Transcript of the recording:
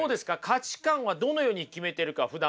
価値観はどのように決めてるかふだんから。